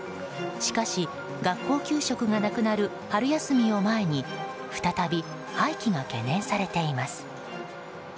しかし、学校給食がなくなる春休みを前に再び廃棄が懸念されています。